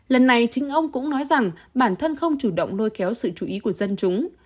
lần này chính ông cũng nói rằng bản thân không chủ động lôi kéo sự chú ý của dân chúng